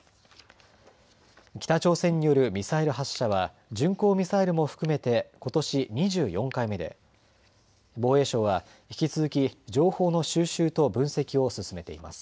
北朝鮮によるミサイル発射は巡航ミサイルも含めてことし２４回目で、防衛省は引き続き情報の収集と分析を進めています。